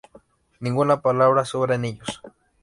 Ninguna palabra sobra en ellos.